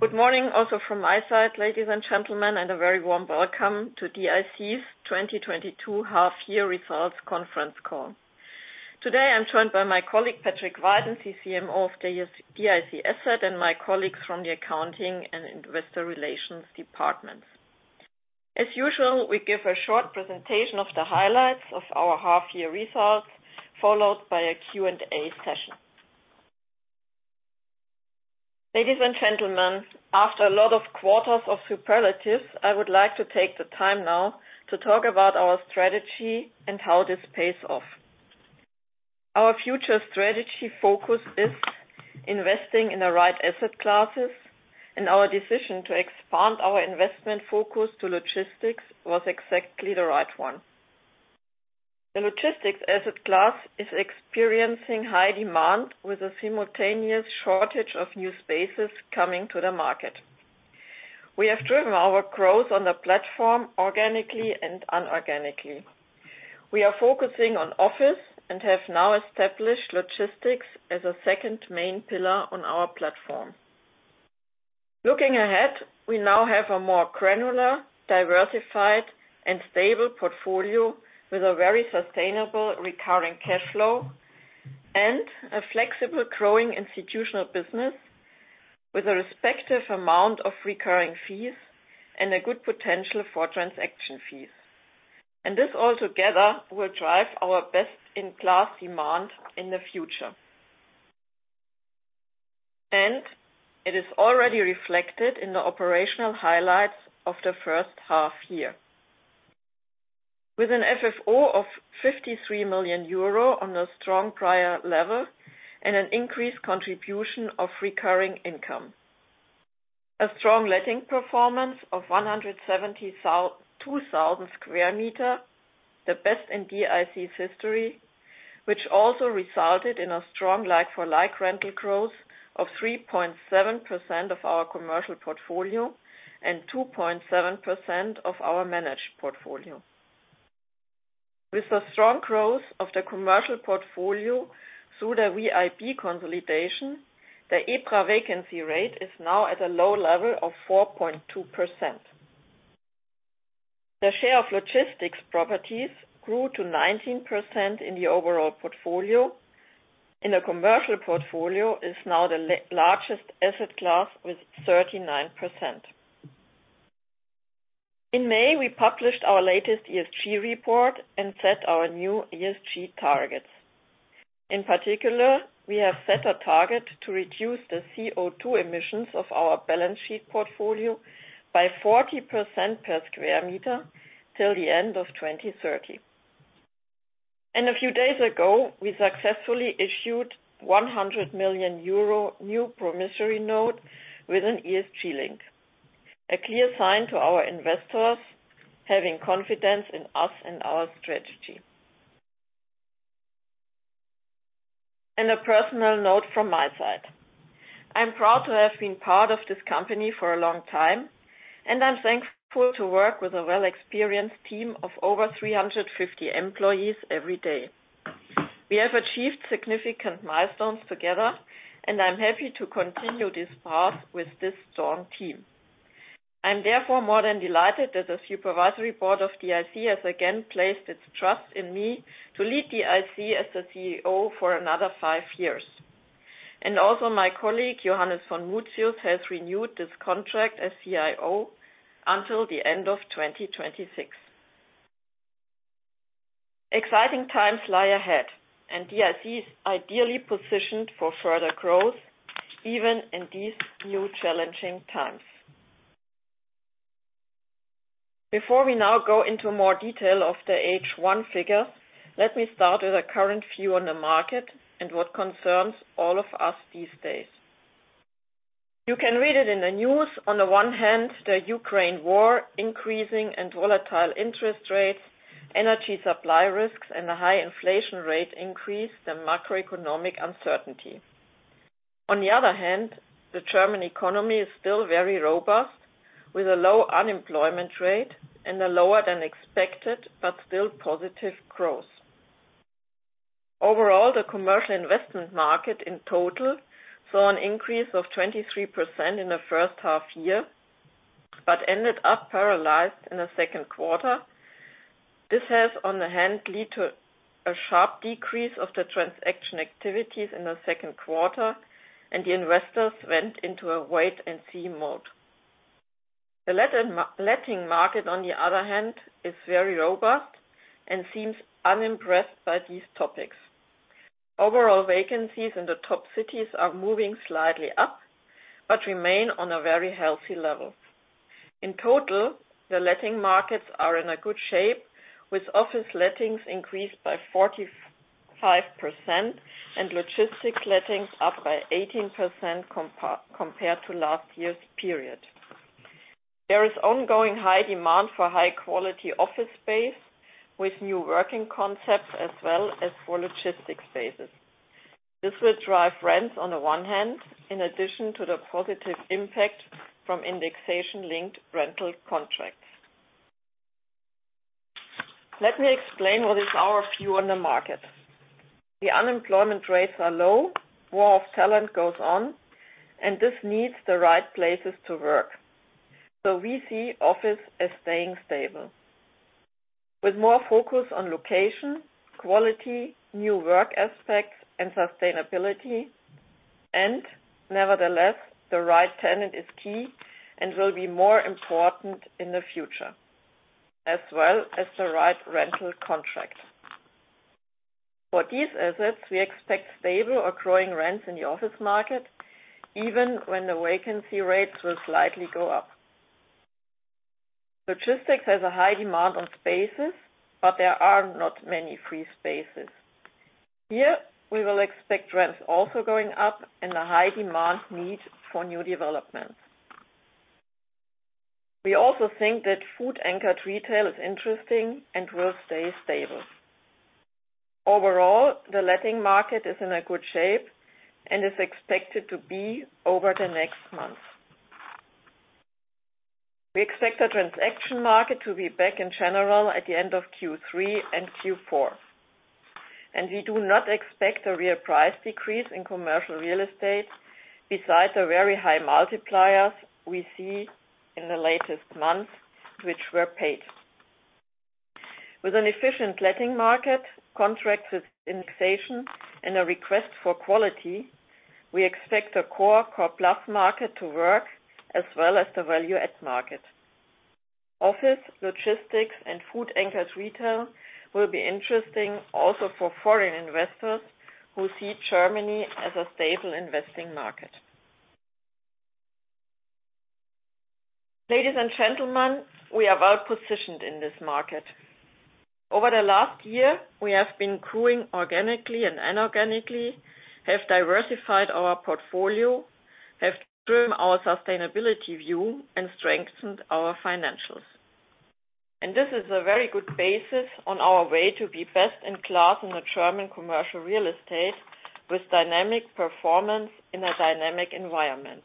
Good morning also from my side, ladies and gentlemen, and a very warm welcome to DIC's 2022 Half-Year Results Conference Call. Today, I'm joined by my colleague Patrick Weiden, CCMO of the DIC Asset, and my colleagues from the accounting and investor relations departments. As usual, we give a short presentation of the highlights of our half-year results, followed by a Q&A session. Ladies and gentlemen, after a lot of quarters of superlatives, I would like to take the time now to talk about our strategy and how this pays off. Our future strategy focus is investing in the right asset classes, and our decision to expand our investment focus to logistics was exactly the right one. The logistics asset class is experiencing high demand with a simultaneous shortage of new spaces coming to the market. We have driven our growth on the platform organically and unorganically. We are focusing on office and have now established logistics as a second main pillar on our platform. Looking ahead, we now have a more granular, diversified, and stable portfolio with a very sustainable recurring cash flow and a flexible growing Institutional Business with a respective amount of recurring fees and a good potential for transaction fees. This all together will drive our best-in-class demand in the future. It is already reflected in the operational highlights of the first half year. With an FFO of 53 million euro on a strong prior level and an increased contribution of recurring income. A strong letting performance of 2,000 square meters, the best in DIC's history, which also resulted in a strong like-for-like rental growth of 3.7% of our commercial portfolio and 2.7% of our managed portfolio. With the strong growth of the commercial portfolio through the VIB consolidation, the EPRA vacancy rate is now at a low level of 4.2%. The share of logistics properties grew to 19% in the overall portfolio. In the commercial portfolio, it's now the largest asset class with 39%. In May, we published our latest ESG report and set our new ESG targets. In particular, we have set a target to reduce the CO₂ emissions of our balance sheet portfolio by 40% per square meter till the end of 2030. A few days ago, we successfully issued 100 million euro new promissory note with an ESG link, a clear sign to our investors having confidence in us and our strategy. A personal note from my side. I'm proud to have been part of this company for a long time, and I'm thankful to work with a well-experienced team of over 350 employees every day. We have achieved significant milestones together, and I'm happy to continue this path with this strong team. I'm therefore more than delighted that the supervisory board of DIC has again placed its trust in me to lead DIC as the CEO for another five years. My colleague, Johannes von Mutius, has renewed his contract as CIO until the end of 2026. Exciting times lie ahead, and DIC is ideally positioned for further growth even in these new challenging times. Before we now go into more detail of the H1 figures, let me start with a current view on the market and what concerns all of us these days. You can read it in the news. On the one hand, the Ukraine war increasing and volatile interest rates, energy supply risks, and a high inflation rate increase the macroeconomic uncertainty. On the other hand, the German economy is still very robust with a low unemployment rate and a lower than expected but still positive growth. Overall, the commercial investment market in total saw an increase of 23% in the first half year, but ended up paralyzed in the second quarter. This has, on the one hand, led to a sharp decrease of the transaction activities in the second quarter, and the investors went into a wait and see mode. The letting market, on the other hand, is very robust and seems unimpressed by these topics. Overall vacancies in the top cities are moving slightly up, but remain on a very healthy level. In total, the letting markets are in a good shape with office lettings increased by 45% and logistics lettings up by 18% compared to last year's period. There is ongoing high demand for high quality office space with new working concepts as well as for logistics spaces. This will drive rents on the one hand, in addition to the positive impact from indexation-linked rental contracts. Let me explain what is our view on the market. The unemployment rates are low, war for talent goes on, and this needs the right places to work. We see office as staying stable. With more focus on location, quality, new work aspects, and sustainability, and nevertheless, the right tenant is key and will be more important in the future, as well as the right rental contract. For these assets, we expect stable or growing rents in the office market, even when the vacancy rates will slightly go up. Logistics has a high demand on spaces, but there are not many free spaces. Here, we will expect rents also going up and a high demand need for new developments. We also think that food-anchored retail is interesting and will stay stable. Overall, the letting market is in a good shape and is expected to be over the next months. We expect the transaction market to be back in general at the end of Q3 and Q4. We do not expect a real price decrease in commercial real estate despite the very high multiples we see in the latest months which were paid. With an efficient letting market contract with indexation and a request for quality, we expect a core plus market to work as well as the value add market. Office, logistics, and food-anchored retail will be interesting also for foreign investors who see Germany as a stable investing market. Ladies and gentlemen, we are well-positioned in this market. Over the last year, we have been growing organically and inorganically, have diversified our portfolio, have driven our sustainability view, and strengthened our financials. This is a very good basis on our way to be best in class in the German commercial real estate with dynamic performance in a dynamic environment.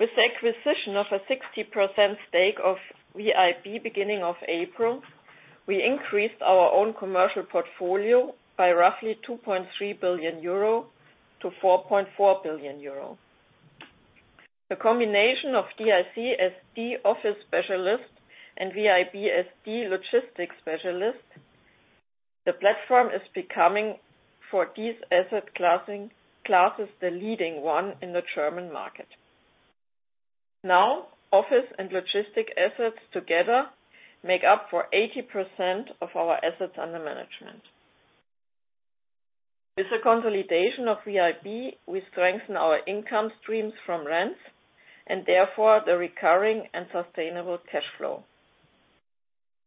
With the acquisition of a 60% stake of VIB beginning of April, we increased our own commercial portfolio by roughly 2.3 billion-4.4 billion euro. The combination of DIC as the office specialist and VIB as the logistics specialist, the platform is becoming for these asset classes the leading one in the German market. Office and logistic assets together make up 80% of our assets under management. With the consolidation of VIB, we strengthen our income streams from rents and therefore the recurring and sustainable cash flow.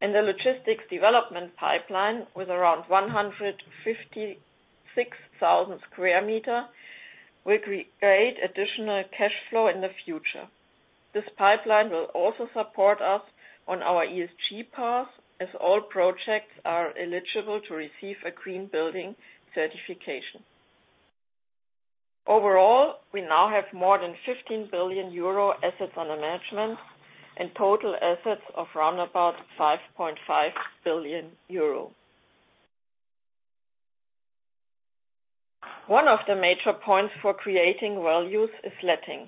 In the logistics development pipeline with around 156,000 sq m, we create additional cash flow in the future. This pipeline will also support us on our ESG path, as all projects are eligible to receive a green building certification. Overall, we now have more than 15 billion euro assets under management and total assets of round about 5.5 billion euro. One of the major points for creating values is letting.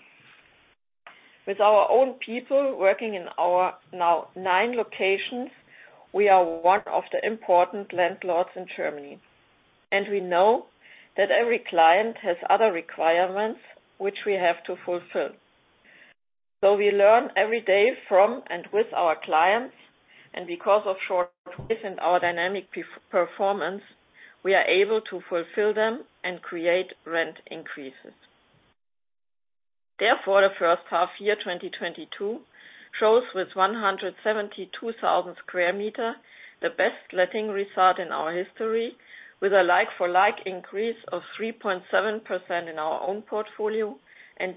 With our own people working in our now nine locations, we are one of the important landlords in Germany. We know that every client has other requirements which we have to fulfill. We learn every day from and with our clients, and because of our short and dynamic performance, we are able to fulfill them and create rent increases. Therefore, the first half year, 2022 shows with 172,000 sq m the best letting result in our history with a like-for-like increase of 3.7% in our own portfolio and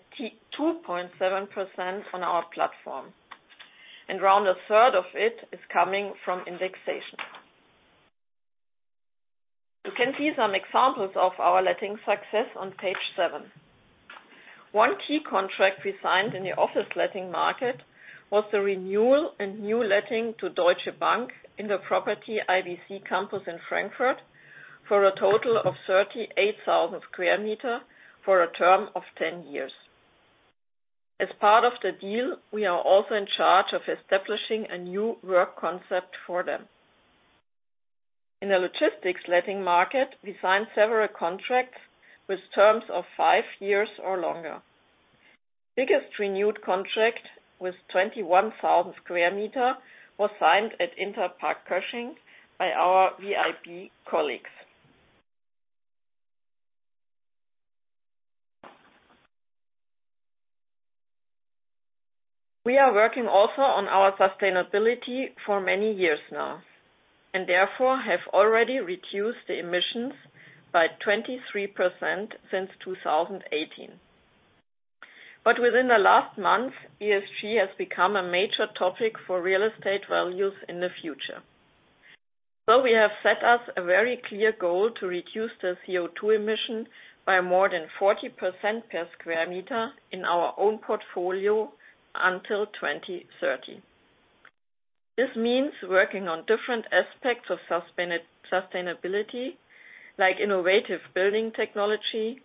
2.7% on our platform. Around a third of it is coming from indexation. You can see some examples of our letting success on page seven. One key contract we signed in the office letting market was the renewal and new letting to Deutsche Bank in the property IBC Campus in Frankfurt for a total of 38,000 sq m for a term of 10 years. As part of the deal, we are also in charge of establishing a new work concept for them. In the logistics letting market, we signed several contracts with terms of five years or longer. Biggest renewed contract with 21,000 sq m was signed at Interpark Kösching by our VIB colleagues. We are working also on our sustainability for many years now, and therefore have already reduced the emissions by 23% since 2018. Within the last month, ESG has become a major topic for real estate values in the future. We have set ourselves a very clear goal to reduce the CO₂ emission by more than 40% per square meter in our own portfolio until 2030. This means working on different aspects of sustainability, like innovative building technology,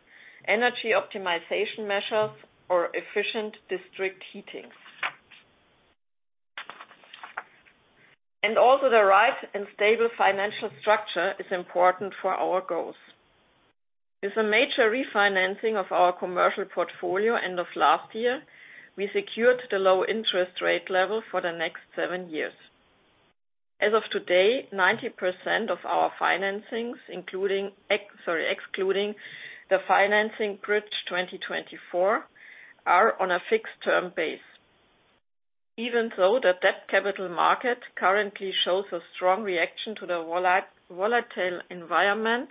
energy optimization measures, or efficient district heating. Also the right and stable financial structure is important for our goals. With a major refinancing of our Commercial Portfolio end of last year, we secured the low interest rate level for the next seven years. As of today, 90% of our financings, Sorry, excluding the bridge financing 2024, are on a fixed-term basis. Even so, the debt capital market currently shows a strong reaction to the volatile environment.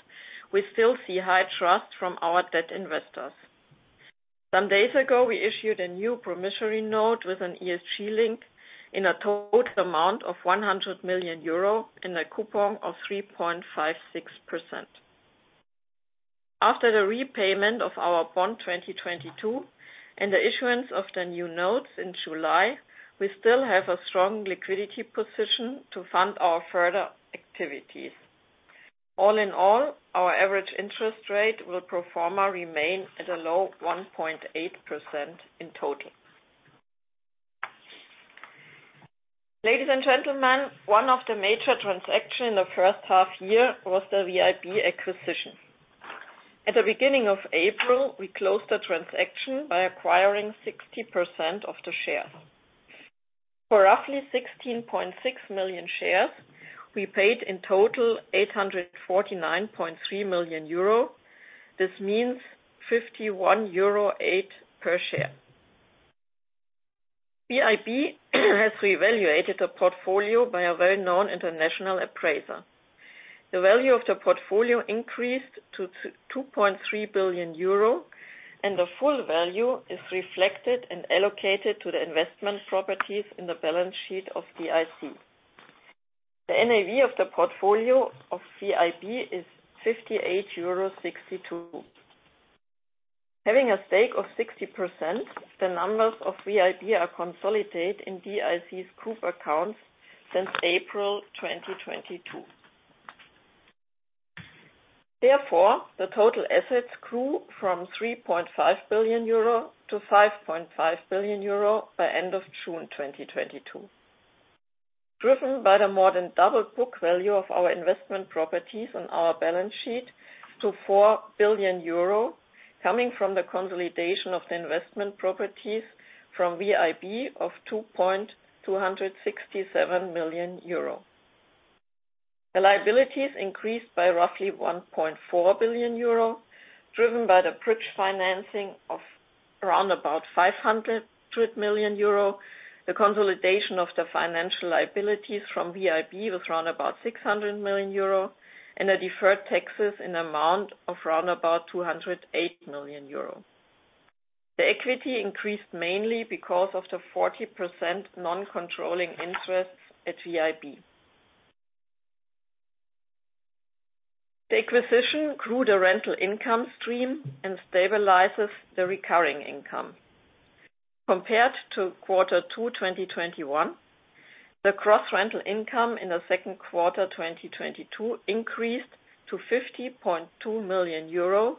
We still see high trust from our debt investors. Some days ago, we issued a new promissory note with an ESG link in a total amount of 100 million euro in a coupon of 3.56%. After the repayment of our bond 2022, and the issuance of the new notes in July, we still have a strong liquidity position to fund our further activities. All in all, our average interest rate will pro forma remain at a low 1.8% in total. Ladies and gentlemen, one of the major transaction in the first half year was the VIB acquisition. At the beginning of April, we closed the transaction by acquiring 60% of the shares. For roughly 16.6 million shares, we paid in total 849.3 million euro. This means 51.08 euro per share. VIB has revalued the portfolio by a well-known international appraiser. The value of the portfolio increased to 2.3 billion euro, and the full value is reflected and allocated to the investment properties in the balance sheet of DIC. The NAV of the portfolio of VIB is 58.62 euros. Having a stake of 60%, the numbers of VIB are consolidated in DIC's group accounts since April 2022. Therefore, the total assets grew from 3.5 billion-5.5 billion euro by end of June 2022. Driven by the more than double book value of our investment properties on our balance sheet to 4 billion euro, coming from the consolidation of the investment properties from VIB of 2.267 billion euro. The liabilities increased by roughly 1.4 billion euro, driven by the bridge financing of around about 500 million euro, the consolidation of the financial liabilities from VIB was around about 600 million euro, and the deferred taxes in amount of around about 208 million euro. The equity increased mainly because of the 40% non-controlling interests at VIB. The acquisition grew the rental income stream and stabilizes the recurring income. Compared to quarter two, 2021, the gross rental income in the second quarter, 2022 increased to 50.2 million euro.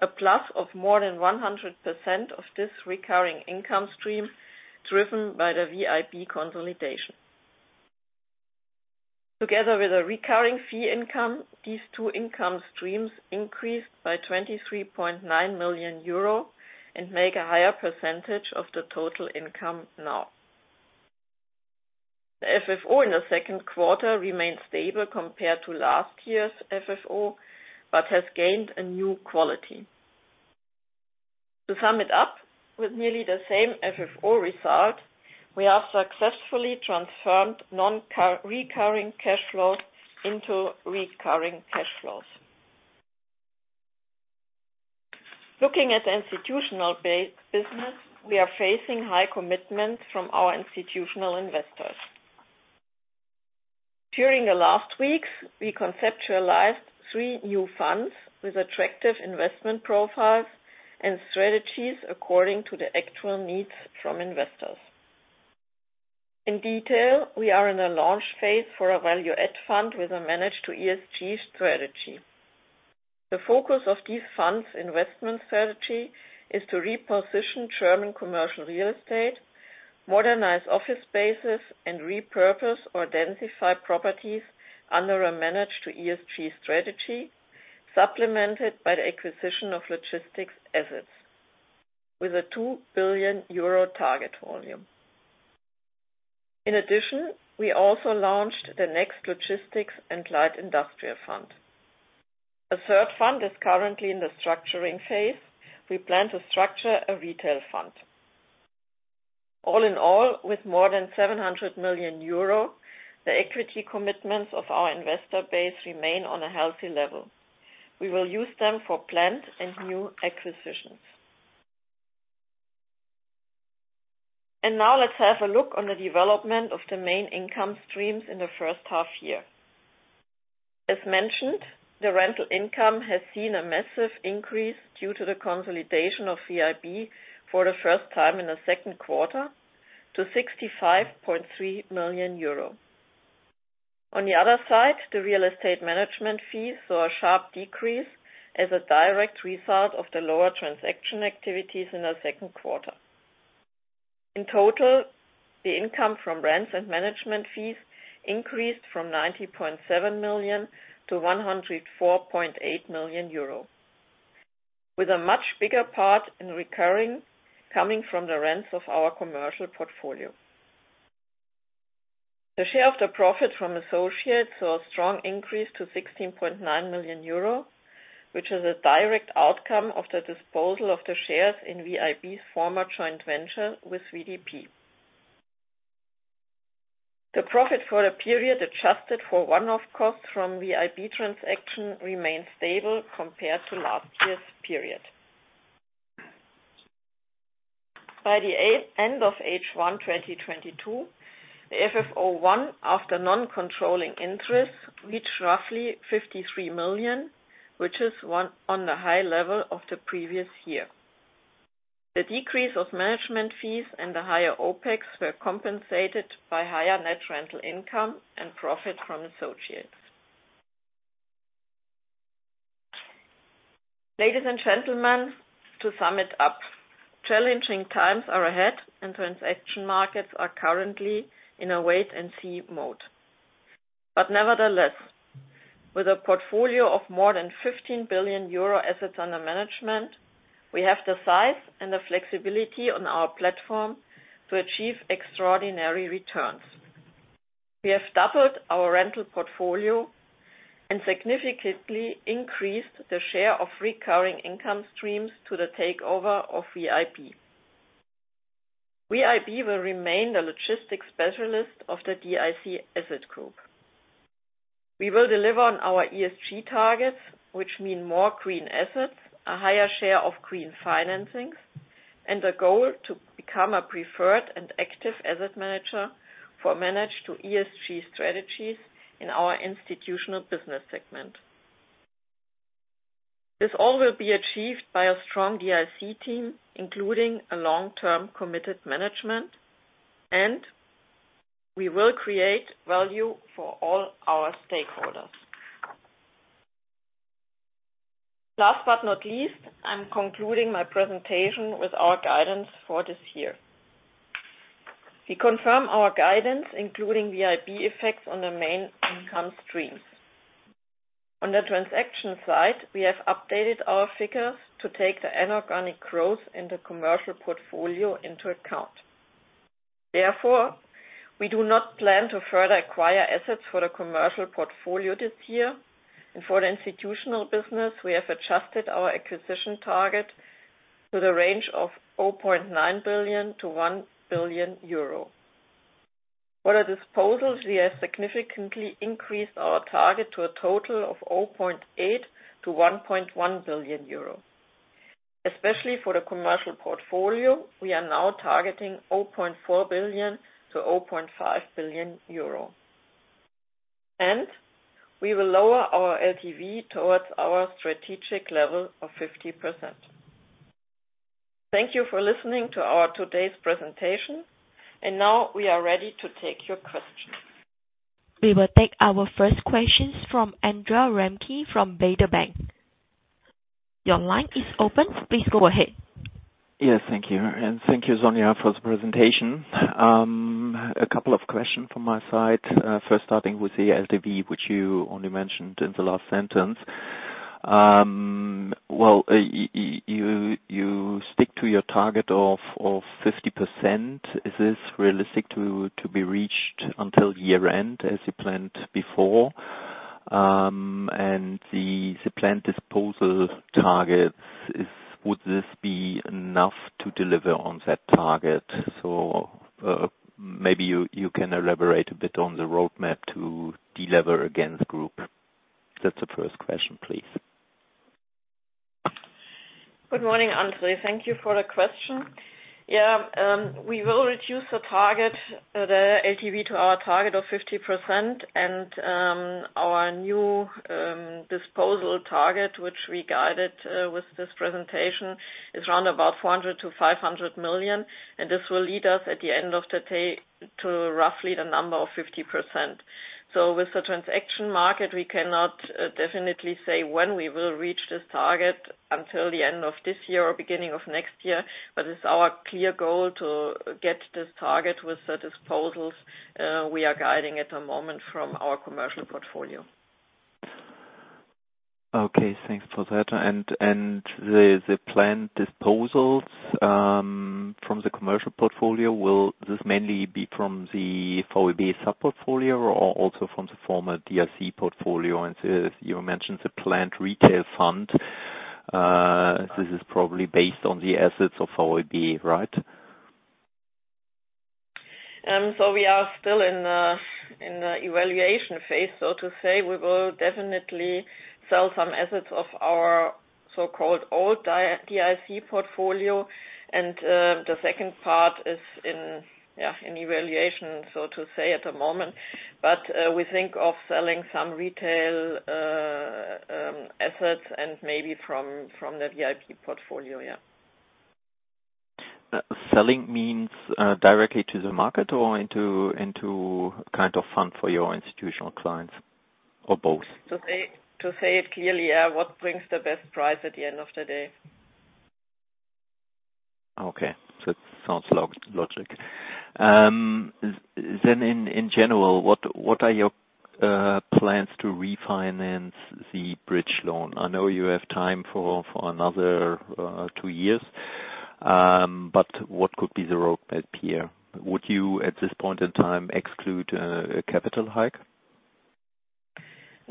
A plus of more than 100% of this recurring income stream driven by the VIB consolidation. Together with the recurring fee income, these two income streams increased by 23.9 million euro and make a higher percentage of the total income now. The FFO in the second quarter remained stable compared to last year's FFO, but has gained a new quality. To sum it up, with nearly the same FFO result, we have successfully transformed non-recurring cash flows into recurring cash flows. Looking at Institutional Business, we are facing high commitment from our institutional investors. During the last weeks, we conceptualized three new funds with attractive investment profiles and strategies according to the actual needs from investors. In detail, we are in the launch phase for a value add fund with a manage-to-ESG strategy. The focus of these funds investment strategy is to reposition German commercial real estate, modernize office spaces, and repurpose or densify properties under a manage-to-ESG strategy, supplemented by the acquisition of logistics assets with a 2 billion euro target volume. In addition, we also launched the next logistics and light industrial fund. A third fund is currently in the structuring phase. We plan to structure a retail fund. All in all, with more than 700 million euro, the equity commitments of our investor base remain on a healthy level. We will use them for planned and new acquisitions. Now let's have a look on the development of the main income streams in the first half year. As mentioned, the rental income has seen a massive increase due to the consolidation of VIB for the first time in the second quarter to 65.3 million euro. On the other side, the real estate management fees saw a sharp decrease as a direct result of the lower transaction activities in the second quarter. In total, the income from rents and management fees increased from 90.7 million-104.8 million euro, with a much bigger part in recurring coming from the rents of our Commercial Portfolio. The share of the profit from associates saw a strong increase to 16.9 million euro, which is a direct outcome of the disposal of the shares in VIB's former joint venture with WDP. The profit for the period adjusted for one-off costs from VIB transaction remained stable compared to last year's period. By the end of H1 2022, the FFO I after non-controlling interest reached roughly 53 million, which is on the high level of the previous year. The decrease of management fees and the higher OpEx were compensated by higher net rental income and profit from associates. Ladies and gentlemen, to sum it up, challenging times are ahead and transaction markets are currently in a wait and see mode. Nevertheless, with a portfolio of more than 15 billion euro assets under management, we have the size and the flexibility on our platform to achieve extraordinary returns. We have doubled our rental portfolio and significantly increased the share of recurring income streams to the takeover of VIB. VIB will remain the logistics specialist of the DIC Asset Group. We will deliver on our ESG targets, which mean more green assets, a higher share of green financings, and a goal to become a preferred and active asset manager for manage-to-ESG strategies in our Institutional Business segment. This all will be achieved by a strong DIC team, including a long-term committed management, and we will create value for all our stakeholders. Last but not least, I'm concluding my presentation with our guidance for this year. We confirm our guidance, including VIB effects on the main income streams. On the transaction side, we have updated our figures to take the inorganic growth in the commercial portfolio into account. Therefore, we do not plan to further acquire assets for the commercial portfolio this year. For the Institutional Business, we have adjusted our acquisition target to the range of 0.9 billion-1 billion euro. For the disposals, we have significantly increased our target to a total of 0.8 billion-1.1 billion euro. Especially for the commercial portfolio, we are now targeting 0.4 billion-0.5 billion euro. We will lower our LTV towards our strategic level of 50%. Thank you for listening to our today's presentation, and now we are ready to take your questions. We will take our first questions from Andre Remke from Baader Bank. Your line is open. Please go ahead. Yes, thank you. Thank you, Sonja, for the presentation. A couple of questions from my side. First starting with the LTV, which you only mentioned in the last sentence. Well, you stick to your target of 50%. Is this realistic to be reached until year-end as you planned before? The planned disposal targets, would this be enough to deliver on that target? Maybe you can elaborate a bit on the roadmap to deleverage the group. That's the first question, please. Good morning, Andre. Thank you for the question. Yeah, we will reduce the target, the LTV to our target of 50%. Our new disposal target, which we guided with this presentation, is around about 400 million-500 million, and this will lead us at the end of the day to roughly 50%. With the transaction market, we cannot definitely say when we will reach this target until the end of this year or beginning of next year. It's our clear goal to get this target with the disposals we are guiding at the moment from our commercial portfolio. Okay. Thanks for that. The planned disposals from the Commercial Portfolio, will this mainly be from the VIB sub-portfolio or also from the former DIC portfolio? You mentioned the planned retail fund. This is probably based on the assets of VIB, right? We are still in the evaluation phase, so to say. We will definitely sell some assets of our so-called old DIC portfolio. The second part is in evaluation, so to say at the moment. We think of selling some retail assets and maybe from the VIB portfolio. Selling means directly to the market or into kind of fund for your institutional clients or both? To say it clearly, yeah, what brings the best price at the end of the day. It sounds logical. In general, what are your plans to refinance the bridge loan? I know you have time for another two years. What could be the roadmap here? Would you, at this point in time, exclude a capital hike?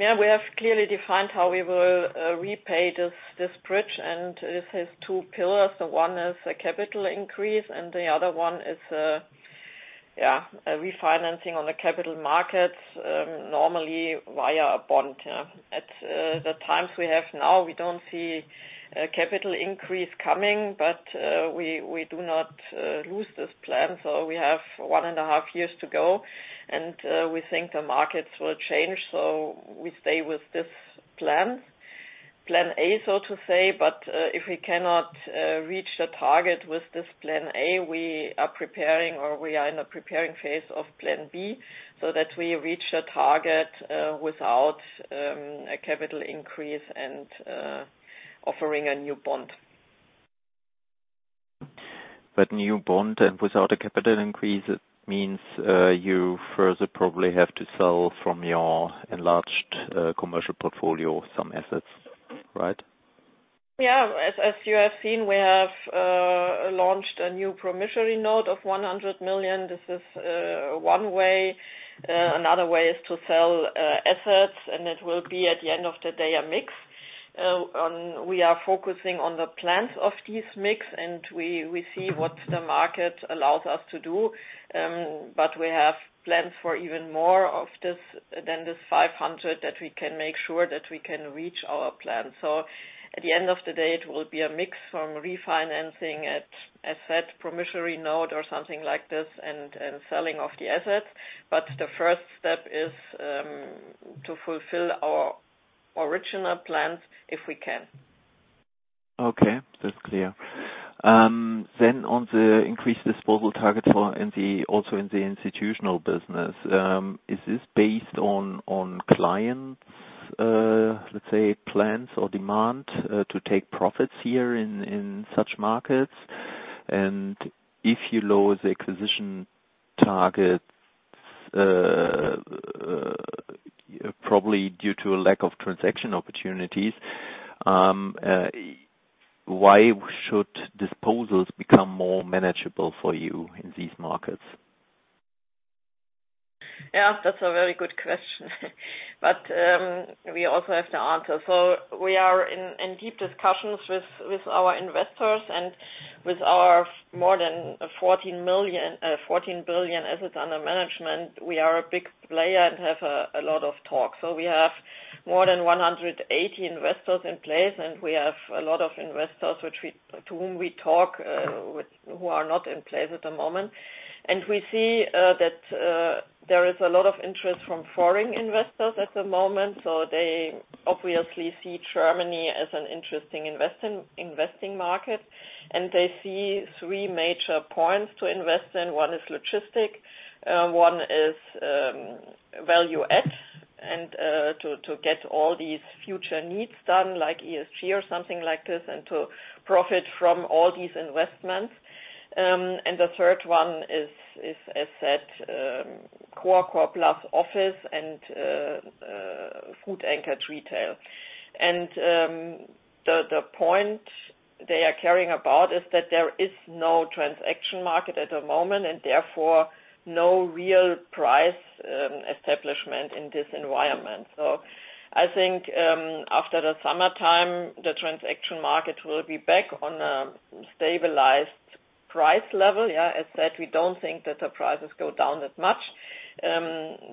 Yeah, we have clearly defined how we will repay this bridge, and this has two pillars. One is a capital increase, and the other one is a refinancing on the capital markets, normally via a bond. At the times we have now, we don't see a capital increase coming, but we do not lose this plan. We have 1.5 years to go, and we think the markets will change, so we stay with this plan. Plan A, so to say. If we cannot reach the target with this plan A, we are preparing or we are in a preparing phase of plan B so that we reach the target without a capital increase and offering a new bond. No bond and without a capital increase, it means you further probably have to sell from your enlarged Commercial Portfolio some assets, right? Yeah. As you have seen, we have launched a new promissory note of 100 million. This is one way. Another way is to sell assets, and it will be at the end of the day a mix. We are focusing on the plans of this mix, and we see what the market allows us to do. But we have plans for even more of this than this 500 million that we can make sure that we can reach our plan. At the end of the day, it will be a mix from refinancing an asset promissory note or something like this and selling off the assets. The first step is to fulfill our original plans if we can. Okay, that's clear. Then on the increased disposal target, also in the Institutional Business, is this based on clients', let's say, plans or demand, to take profits here in such markets? If you lower the acquisition targets, probably due to a lack of transaction opportunities, why should disposals become more manageable for you in these markets? Yeah, that's a very good question. We also have the answer. We are in deep discussions with our investors and with our more than 14 billion assets under management. We are a big player and have a lot of talk. We have more than 180 investors in place, and we have a lot of investors which we to whom we talk with who are not in place at the moment. We see that there is a lot of interest from foreign investors at the moment, so they obviously see Germany as an interesting investing market. They see three major points to invest in. One is logistics, one is value add and to get all these future needs done, like ESG or something like this, and to profit from all these investments. The third one is core plus office and food-anchored retail. The point they are caring about is that there is no transaction market at the moment and therefore no real price establishment in this environment. I think after the summertime, the transaction market will be back on a stabilized price level. Yeah, as said, we don't think that the prices go down that much,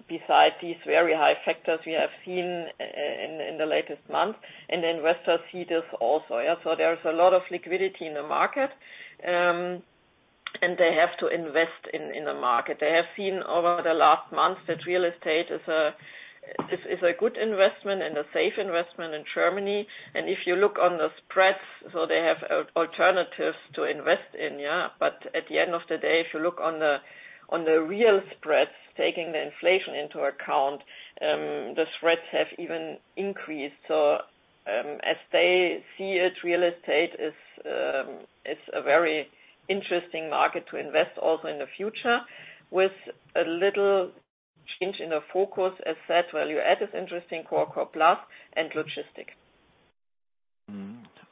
besides these very high factors we have seen in the latest months. Investors see this also. There is a lot of liquidity in the market, and they have to invest in the market. They have seen over the last months that real estate is a good investment and a safe investment in Germany. If you look on the spreads, they have alternatives to invest in. At the end of the day, if you look on the real spreads, taking the inflation into account, the spreads have even increased. As they see it, real estate is a very interesting market to invest also in the future with a little change in the focus asset. Value add is interesting, core plus and logistics.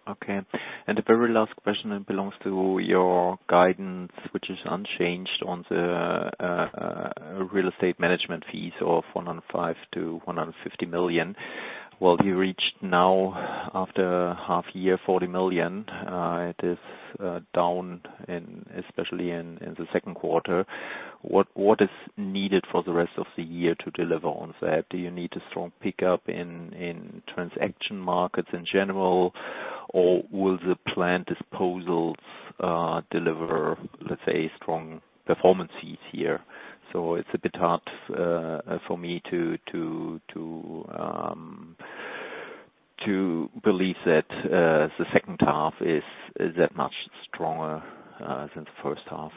Okay. The very last question, it belongs to your guidance, which is unchanged on the a real estate management fees of 105 million-150 million. Well, we reached now after half year, 40 million. It is down in, especially in the second quarter. What is needed for the rest of the year to deliver on that? Do you need a strong pickup in transaction markets in general, or will the planned disposals deliver, let's say, strong performance fees here? It's a bit hard for me to believe that the second half is that much stronger than the first half.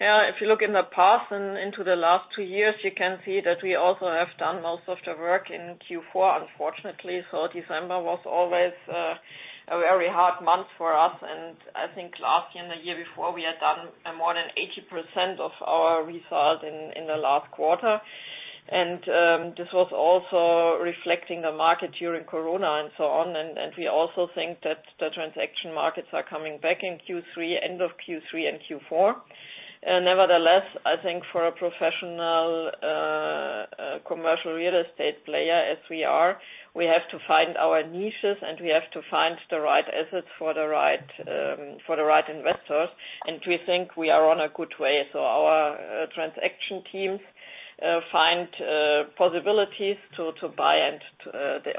Yeah. If you look in the past and into the last two years, you can see that we also have done most of the work in Q4 unfortunately. December was always a very hard month for us, and I think last year and the year before, we had done more than 80% of our result in the last quarter. This was also reflecting the market during Corona and so on. We also think that the transaction markets are coming back in Q3, end of Q3 and Q4. Nevertheless, I think for a professional commercial real estate player as we are, we have to find our niches, and we have to find the right assets for the right investors. We think we are on a good way. Our transaction teams find possibilities to buy and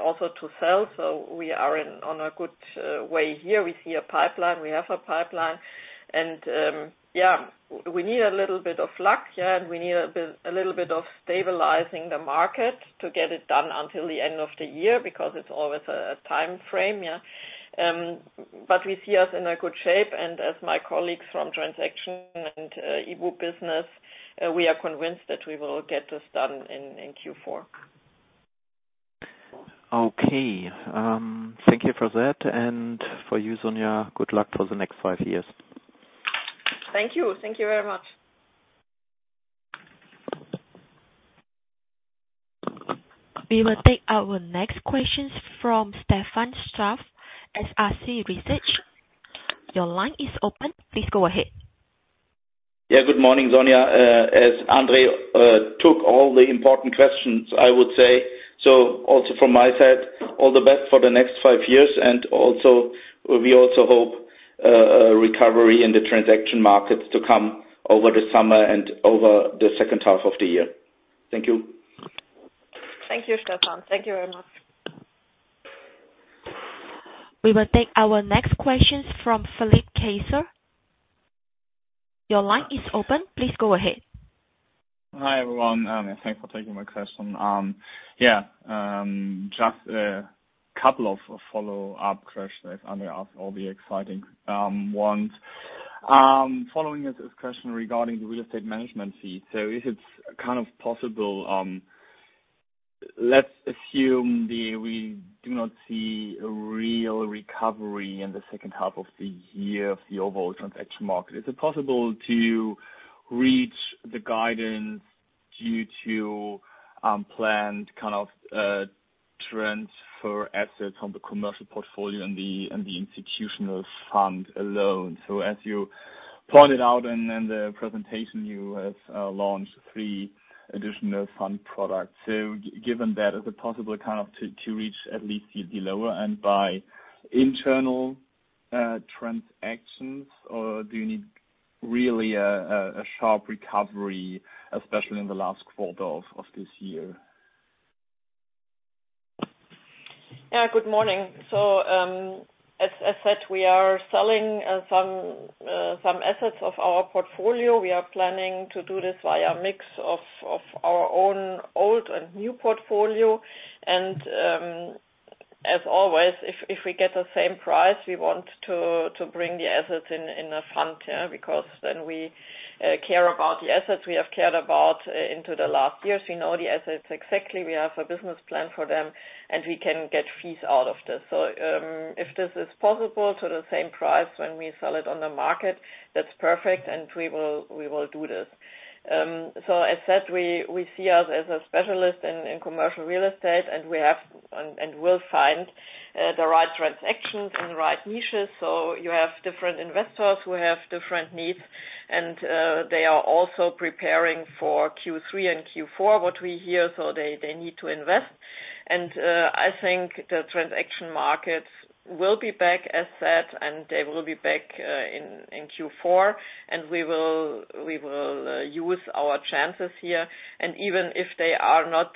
also to sell. We are on a good way here. We see a pipeline. We have a pipeline. Yeah, we need a little bit of luck, yeah, and we need a little bit of stabilizing the market to get it done until the end of the year because it's always a time frame, yeah. We see us in a good shape, and as my colleagues from transaction and Institutional Business, we are convinced that we will get this done in Q4. Okay. Thank you for that, and for you, Sonja, good luck for the next five years. Thank you. Thank you very much. We will take our next questions from Stefan Scharff, SRC Research. Your line is open. Please go ahead. Good morning, Sonja. As Andre took all the important questions, I would say, so also from my side, all the best for the next five years. We also hope a recovery in the transaction markets to come over the summer and over the second half of the year. Thank you. Thank you, Stefan. Thank you very much. We will take our next questions from Philipp Kaiser. Your line is open. Please go ahead. Hi, everyone. Thanks for taking my question. Yeah. Just a couple of follow-up questions. Following this question regarding the real estate management fee, is it kind of possible, let's assume we do not see a real recovery in the second half of the year in the overall transaction market. Is it possible to reach the guidance due to planned kind of transfer assets from the commercial portfolio and the institutional fund alone? As you pointed out in the presentation, you have launched three additional fund products. Given that, is it possible kind of to reach at least the lower end by internal transactions, or do you need really a sharp recovery, especially in the last quarter of this year? Yeah, good morning. As I said, we are selling some assets of our portfolio. We are planning to do this via mix of our own old and new portfolio. As always if we get the same price, we want to bring the assets in a fund, yeah. Because then we care about the assets we have cared about into the last years. We know the assets exactly. We have a business plan for them, and we can get fees out of this. If this is possible to the same price when we sell it on the market, that's perfect, and we will do this. As said, we see us as a specialist in commercial real estate, and we have and will find the right transactions and the right niches. You have different investors who have different needs, and they are also preparing for Q3 and Q4, what we hear, so they need to invest. I think the transaction markets will be back at that, and they will be back in Q4. We will use our chances here. Even if they are not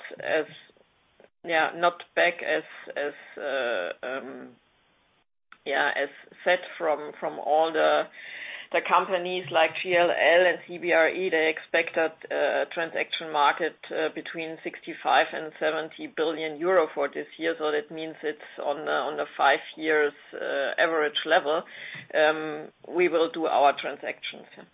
back at, as said from all the companies like JLL and CBRE, they expect a transaction market between 65 billion-70 billion euro for this year. That means it's on the five-year average level. We will do our transactions, yeah.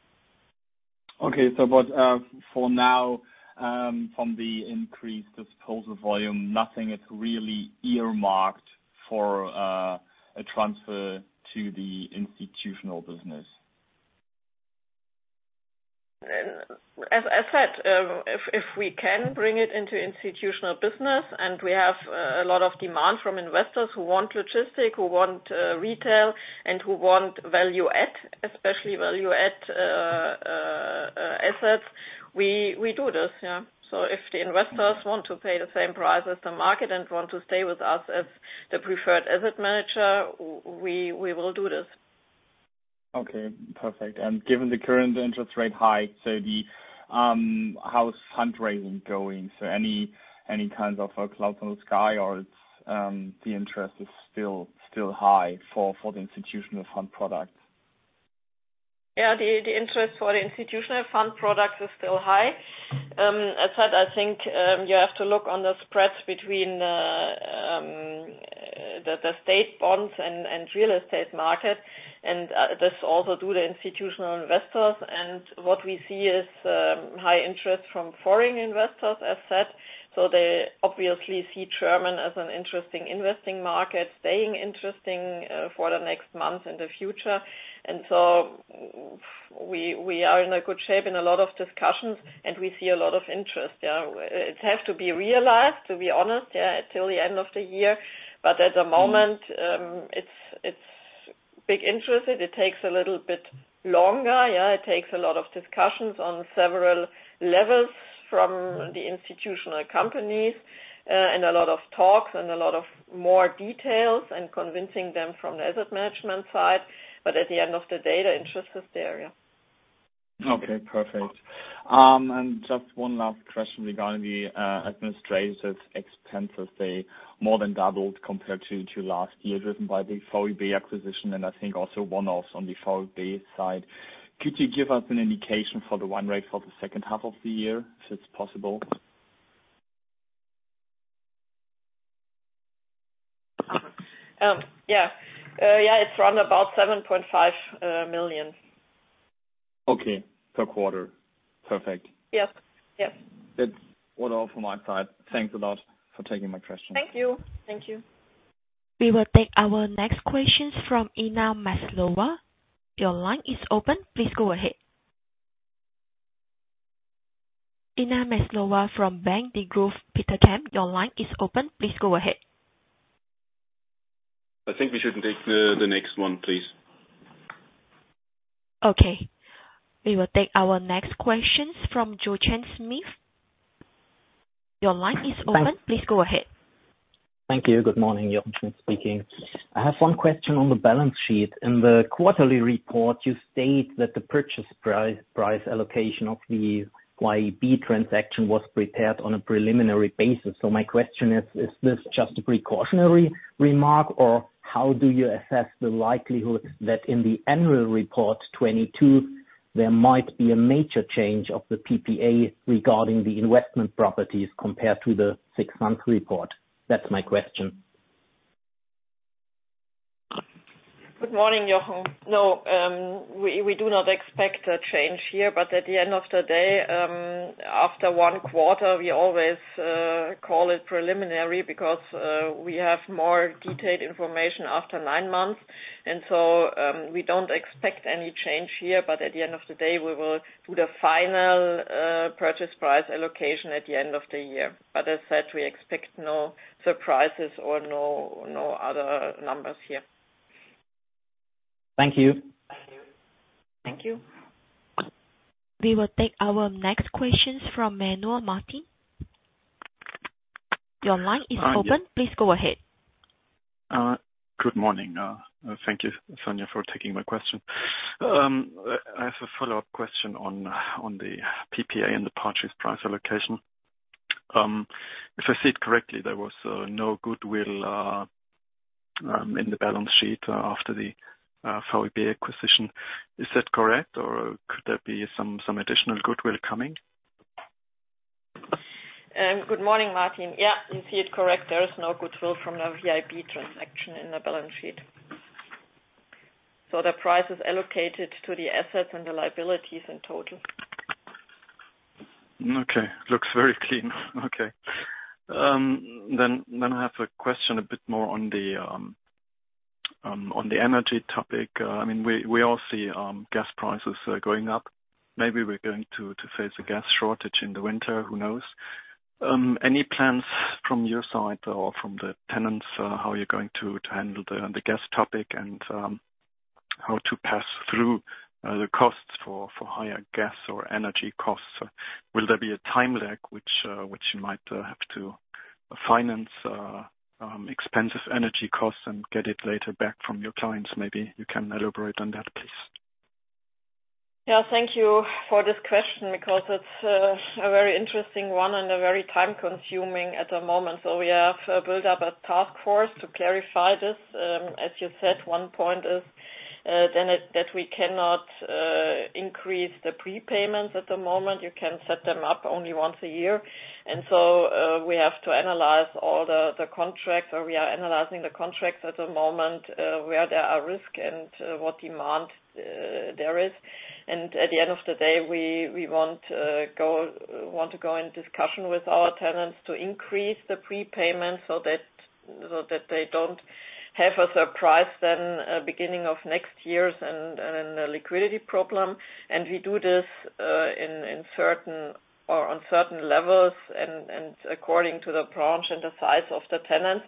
For now, from the increased disposal volume, nothing is really earmarked for a transfer to the Institutional Business. As said, if we can bring it into Institutional Business and we have a lot of demand from investors who want logistics, who want retail, and who want value add, especially value add assets, we do this, yeah. If the investors want to pay the same price as the market and want to stay with us as the preferred asset manager, we will do this. Okay, perfect. Given the current interest rate hike, how's fundraising going? Any kinds of clouds in the sky or is the interest still high for the institutional fund products? Yeah. The interest for the institutional fund products is still high. As said, I think you have to look on the spreads between the state bonds and real estate market and this also do the institutional investors. What we see is high interest from foreign investors as said. They obviously see German as an interesting investing market, staying interesting for the next month in the future. We are in a good shape in a lot of discussions, and we see a lot of interest. Yeah. It has to be realized, to be honest, yeah, till the end of the year. At the moment, it's big interest. It takes a little bit longer, yeah. It takes a lot of discussions on several levels from the institutional companies, and a lot of talks and a lot of more details and convincing them from the asset management side. At the end of the day, the interest is there, yeah. Okay, perfect. Just one last question regarding the administrative expenses. They more than doubled compared to last year driven by the VIB acquisition and I think also one-offs on the VIB side. Could you give us an indication for the run rate for the second half of the year if it's possible? Yeah, it's around about 7.5 million. Okay. Per quarter. Perfect. Yep. Yep. That's all from my side. Thanks a lot for taking my questions. Thank you. Thank you. We will take our next questions from Inna Maslova. Your line is open. Please go ahead. Inna Maslova from Bank Degroof Petercam, your line is open. Please go ahead. I think we should take the next one, please. Okay. We will take our next questions from Jochen Schmitt. Your line is open. Thanks. Please go ahead. Thank you. Good morning. Jochen speaking. I have one question on the balance sheet. In the quarterly report, you state that the purchase price allocation of the VIB transaction was prepared on a preliminary basis. My question is this just a precautionary remark, or how do you assess the likelihood that in the annual report 2022 there might be a major change of the PPA regarding the investment properties compared to the six-month report? That's my question. Good morning, Jochen. No, we do not expect a change here, but at the end of the day, after one quarter, we always call it preliminary because we have more detailed information after nine months. We don't expect any change here, but at the end of the day, we will do the final purchase price allocation at the end of the year. As said, we expect no surprises or no other numbers here. Thank you. Thank you. We will take our next questions from Manuel Martin. Your line is open. Hi. Please go ahead. Good morning. Thank you, Sonja, for taking my question. I have a follow-up question on the PPA and the purchase price allocation. If I see it correctly, there was no goodwill in the balance sheet after the VIB acquisition. Is that correct, or could there be some additional goodwill coming? Good morning, Martin. Yeah, you see it's correct. There is no goodwill from the VIB transaction in the balance sheet. The price is allocated to the assets and the liabilities in total. Okay. Looks very clean. Okay. I have a question a bit more on the energy topic. I mean, we all see gas prices going up. Maybe we're going to face a gas shortage in the winter, who knows. Any plans from your side or from the tenants, how you're going to handle the gas topic and how to pass through the costs for higher gas or energy costs? Will there be a time lag which you might have to finance expensive energy costs and get it later back from your clients maybe? You can elaborate on that, please. Yeah, thank you for this question because it's a very interesting one and a very time-consuming at the moment. We have built up a task force to clarify this. As you said, one point is that we cannot increase the prepayments at the moment. You can set them up only once a year. We are analyzing the contracts at the moment where there are risk and what demand there is. At the end of the day, we want to go in discussion with our tenants to increase the prepayment so that they don't have a surprise then beginning of next year and a liquidity problem. We do this in certain or on certain levels and according to the branch and the size of the tenant.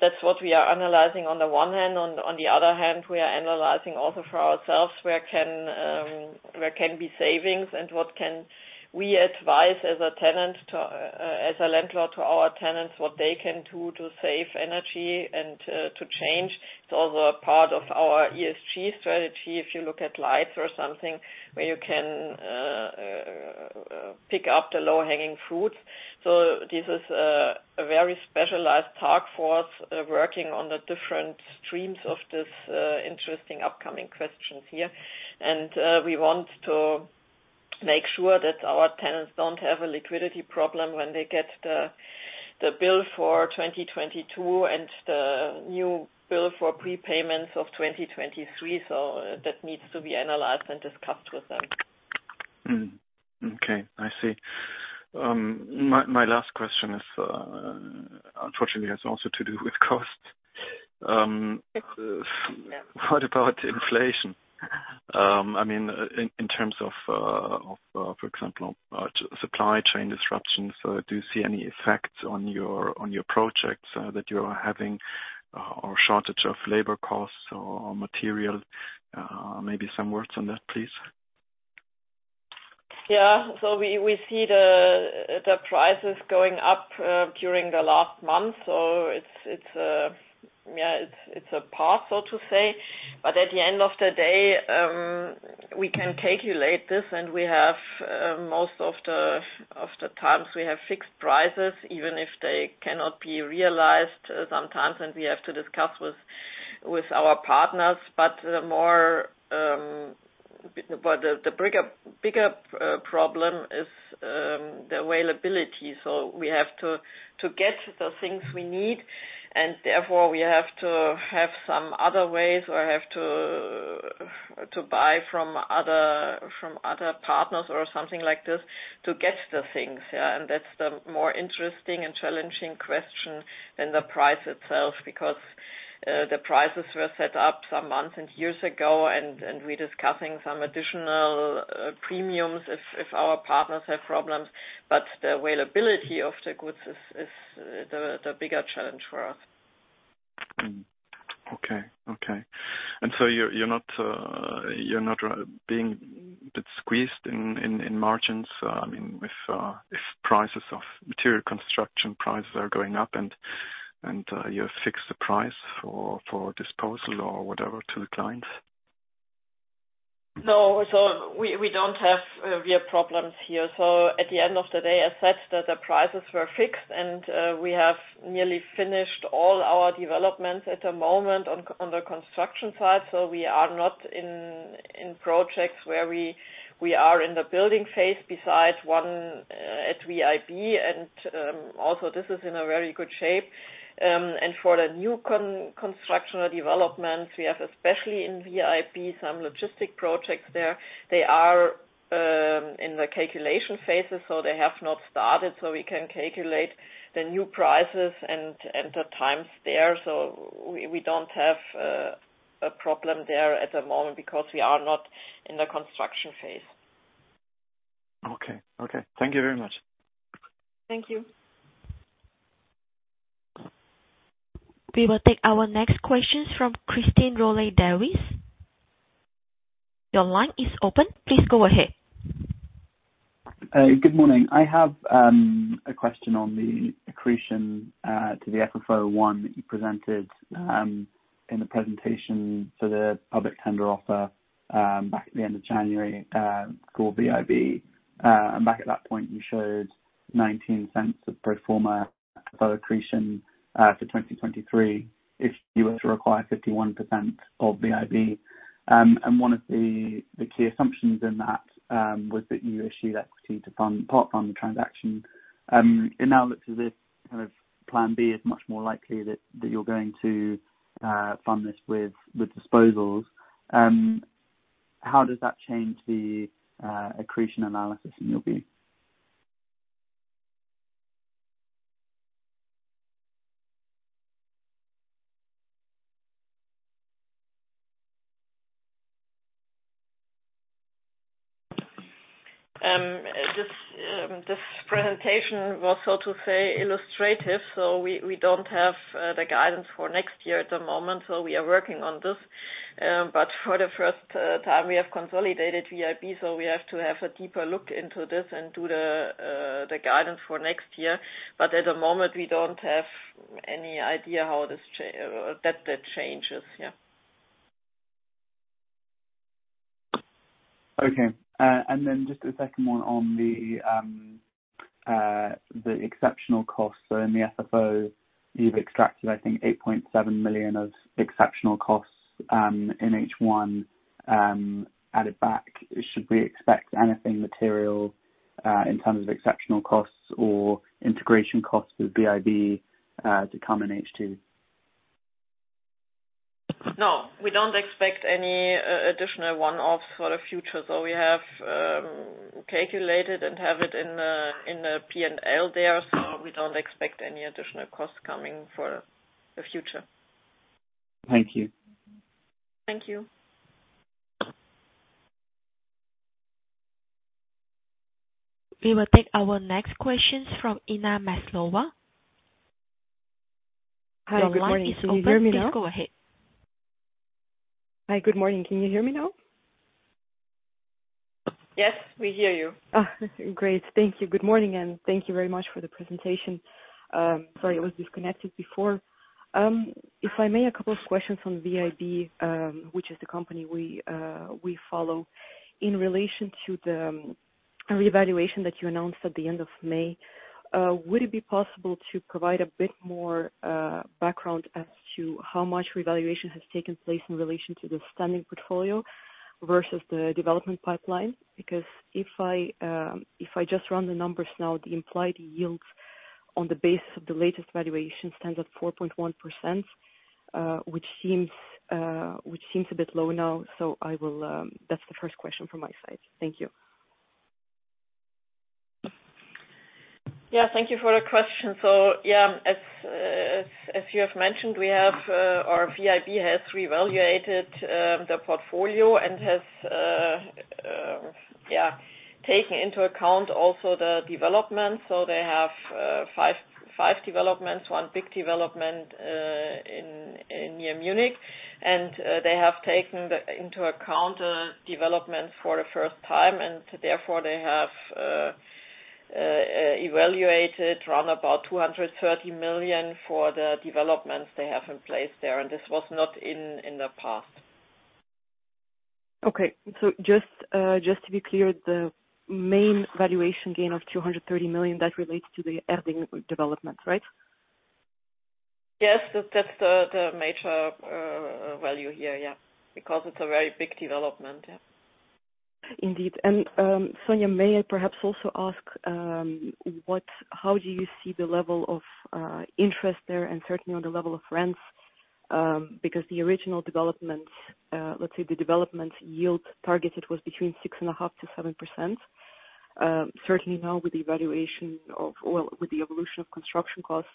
That's what we are analyzing on the one hand. On the other hand, we are analyzing also for ourselves where can be savings and what can we advise as a landlord to our tenants, what they can do to save energy and to change. It's also a part of our ESG strategy. If you look at lights or something where you can pick up the low-hanging fruits. This is a very specialized task force working on the different streams of this interesting upcoming questions here. We want to make sure that our tenants don't have a liquidity problem when they get the bill for 2022 and the new bill for prepayments of 2023. That needs to be analyzed and discussed with them. Okay. I see. My last question is, unfortunately, has also to do with cost. What about inflation? I mean in terms of, for example, supply chain disruptions. Do you see any effects on your projects, that you are having or shortage of labor costs or material? Maybe some words on that, please. Yeah. We see the prices going up during the last month. It's a path, so to say. At the end of the day, we can calculate this, and most of the times we have fixed prices, even if they cannot be realized sometimes, and we have to discuss with our partners. The bigger problem is the availability. We have to get the things we need, and therefore we have to have some other ways or have to buy from other partners or something like this to get the things. That's the more interesting and challenging question than the price itself, because the prices were set up some months and years ago and we're discussing some additional premiums if our partners have problems. But the availability of the goods is the bigger challenge for us. You're not being a bit squeezed in margins, I mean, with if prices of material construction prices are going up and you have fixed the price for disposal or whatever to the clients? No. We don't have real problems here. At the end of the day, as such that the prices were fixed and we have nearly finished all our developments at the moment on the construction side. We are not in projects where we are in the building phase besides one at VIB. Also this is in a very good shape. For the new construction or developments we have, especially in VIB, some logistics projects there. They are in the calculation phases, so they have not started. We don't have a problem there at the moment because we are not in the construction phase. Okay. Okay. Thank you very much. Thank you. We will take our next questions from Christine Rowley-Davies. Your line is open. Please go ahead. Good morning. I have a question on the accretion to the FFO I that you presented in the presentation for the public tender offer back at the end of January for VIB. Back at that point, you showed 0.19 of pro forma FFO accretion for 2023 if you were to acquire 51% of VIB. One of the key assumptions in that was that you issued equity to fund part of the transaction. It now looks as if kind of plan B is much more likely that you're going to fund this with disposals. How does that change the accretion analysis in your view? This presentation was, so to say, illustrative. We don't have the guidance for next year at the moment, so we are working on this. For the first time we have consolidated VIB, so we have to have a deeper look into this and do the guidance for next year. At the moment, we don't have any idea how that changes. Yeah. Just a second one on the exceptional costs. In the FFO, you've extracted, I think, 8.7 million of exceptional costs in H1 added back. Should we expect anything material in terms of exceptional costs or integration costs with VIB to come in H2? No, we don't expect any additional one-offs for the future. We have calculated and have it in the P&L there, so we don't expect any additional costs coming for the future. Thank you. Thank you. We will take our next questions from Inna Maslova. Hi, good morning. Can you hear me now? The line is open. Please go ahead. Hi, good morning. Can you hear me now? Yes, we hear you. Oh, great. Thank you. Good morning, and thank you very much for the presentation. Sorry, I was disconnected before. If I may, a couple of questions from VIB, which is the company we follow. In relation to the revaluation that you announced at the end of May, would it be possible to provide a bit more background as to how much revaluation has taken place in relation to the standing portfolio versus the development pipeline? Because if I just run the numbers now, the implied yields based on the latest valuation stands at 4.1%, which seems a bit low now. I will. That's the first question from my side. Thank you. Yeah, thank you for the question. As you have mentioned, our VIB has reevaluated the portfolio and has taken into account also the development. They have five developments, one big development near Munich. They have taken into account development for the first time and therefore they have evaluated around about 230 million for the developments they have in place there, and this was not in the past. Okay. Just to be clear, the main valuation gain of 230 million, that relates to the Erding development, right? Yes. That's the major value here, yeah, because it's a very big development. Yeah. Indeed. Sonja, may I perhaps also ask, How do you see the level of interest there and certainly on the level of rents, because the original development, let's say the development yield targeted was between 6.5%-7%. Certainly now with the evolution of construction costs,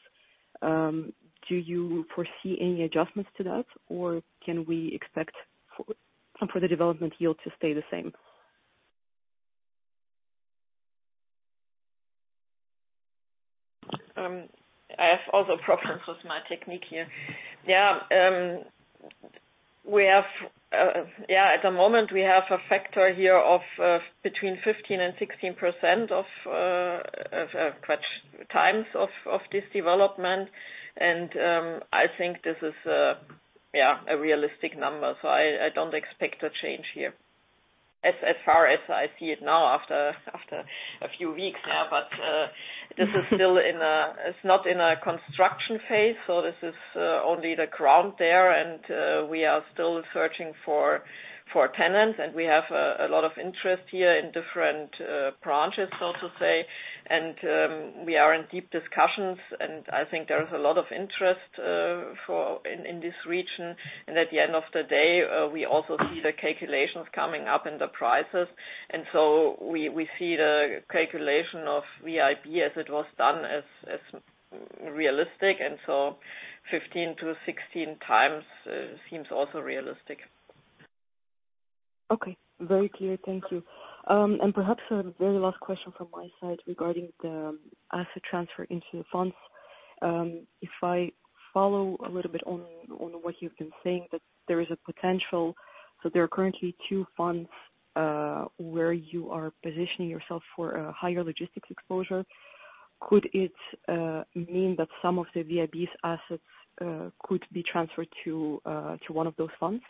do you foresee any adjustments to that, or can we expect for the development yield to stay the same? I have also problems with my technique here. We have at the moment a factor here of between 15%-16% of vacancy of this development. I think this is a realistic number. I don't expect a change here as far as I see it now after a few weeks now. This is not in a construction phase, so this is only the ground there and we are still searching for tenants, and we have a lot of interest here in different branches, so to say. We are in deep discussions, and I think there is a lot of interest in this region. At the end of the day, we also see the calculations coming up in the prices. We see the calculation of VIB as it was done as realistic. 15-16 times seems also realistic. Okay. Very clear. Thank you. Perhaps the very last question from my side regarding the asset transfer into the funds. If I follow a little bit on what you've been saying, that there is a potential. There are currently two funds where you are positioning yourself for a higher logistics exposure. Could it mean that some of the VIB's assets could be transferred to one of those funds?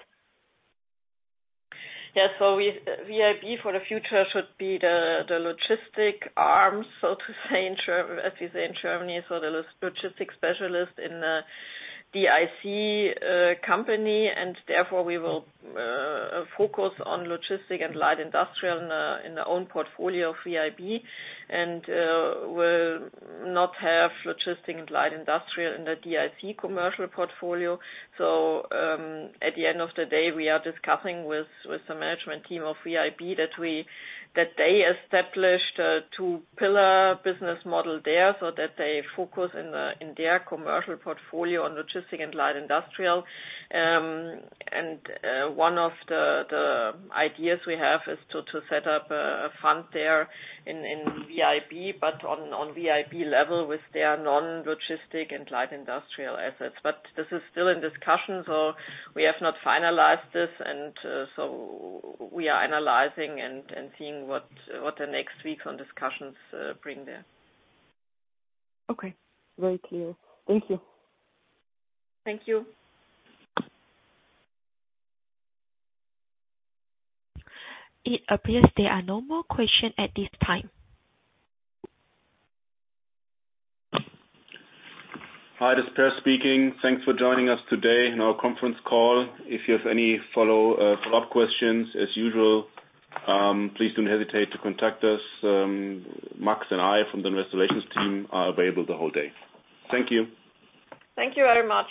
Yeah. We, VIB for the future should be the logistics arm, so to say as we say in Germany. The logistics specialist in the DIC company, and therefore we will focus on logistics and light industrial in their own portfolio of VIB. We'll not have logistics and light industrial in the DIC commercial portfolio. At the end of the day, we are discussing with the management team of VIB that they established a two-pillar business model there, so that they focus in their commercial portfolio on logistics and light industrial. One of the ideas we have is to set up a fund there in VIB, but on VIB level with their non-logistics and light industrial assets. This is still in discussion, so we have not finalized this. So we are analyzing and seeing what the next weeks of discussions bring there. Okay. Very clear. Thank you. Thank you. It appears there are no more questions at this time. Hi, this is Peer speaking. Thanks for joining us today in our conference call. If you have any follow-up questions as usual, please don't hesitate to contact us. Max and I from the investors team are available the whole day. Thank you. Thank you very much.